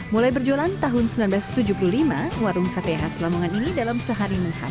mulai berjualan tahun seribu sembilan ratus tujuh puluh lima warung sate khas lamongan ini dalam sehari menghabis